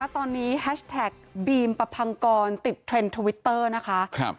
ตอนนี้แฮชแท็กบีมประพังกรติดเทรนด์ทวิตเตอร์นะคะ